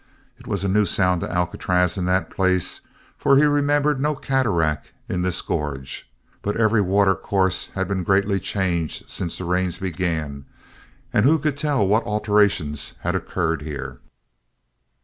It was a new sound to Alcatraz in that place, for he remembered no cataract in this gorge. But every water course had been greatly changed since the rains began, and who could tell what alterations had occurred here?